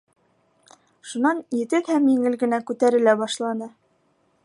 Шунан етеҙ һәм еңел генә күтәрелә башланы.